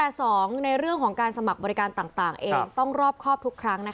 แต่สองในเรื่องของการสมัครบริการต่างเองต้องรอบครอบทุกครั้ง